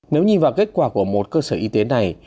nếu nhìn vào kết quả của một cơ sở y tế này